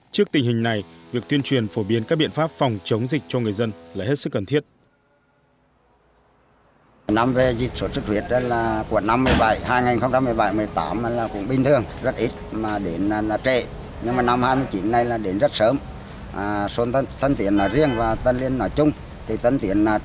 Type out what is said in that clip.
trước tình hình này việc tuyên truyền phổ biến các biện pháp phòng chống dịch cho người dân là hết sức cần thiết